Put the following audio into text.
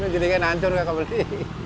jeligen hancur nggak kebeli